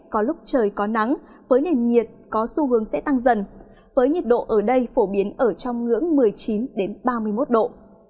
có lúc trời có nắng với nền nhiệt có xu hướng sẽ tăng dần với nhiệt độ ở đây phổ biến ở trong ngưỡng một mươi chín ba mươi một độ